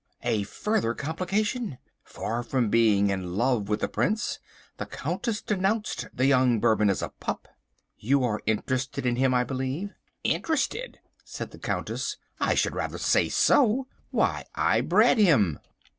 A further complication! Far from being in love with the Prince, the Countess denounced the young Bourbon as a pup! "You are interested in him, I believe." "Interested!" said the Countess. "I should rather say so. Why, I bred him!"